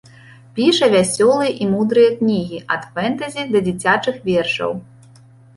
Піша вясёлыя і мудрыя кнігі, ад фэнтэзі да дзіцячых вершаў.